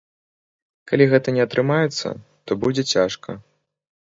Калі гэта не атрымаецца, то будзе цяжка.